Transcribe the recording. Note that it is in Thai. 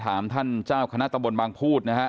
ท่านเจ้าคณะตะบนบางพูดนะฮะ